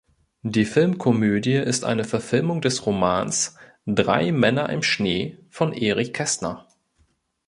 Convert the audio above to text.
Die Filmkomödie ist eine Verfilmung des Romans "Drei Männer im Schnee" von Erich Kästner.